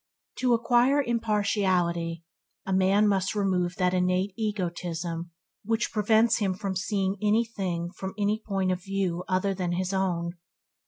To acquire impartiality, a man must remove that innate egotism which prevents him from seeing any thing from any point of view other than this own.